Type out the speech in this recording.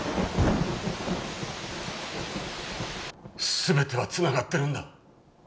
全てはつながってるんだ。